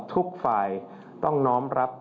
ทุกฝ่ายต้องน้อมรับ